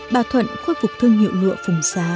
bà thuận khôi phục thương hiệu lụa phùng xá